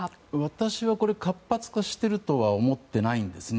私は活発化してるとは思っていないんですね。